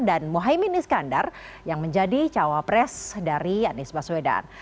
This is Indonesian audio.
dan muhaimin iskandar yang menjadi cawapres dari anies baswedan